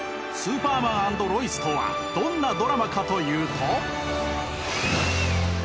「スーパーマン＆ロイス」とはどんなドラマかというと。